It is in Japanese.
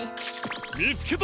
みつけたぞ！